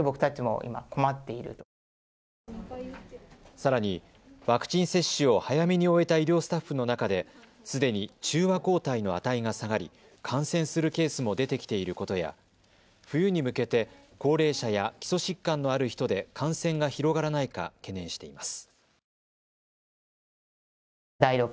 さらにワクチン接種を早めに終えた医療スタッフの中ですでに中和抗体の値が下がり感染するケースも出てきていることや冬に向けて高齢者や基礎疾患のある人で感染が広がらないか懸念しています。